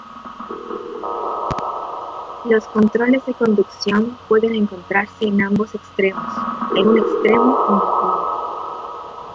Los controles de conducción pueden encontrarse en ambos extremos, en un extremo, o ninguno.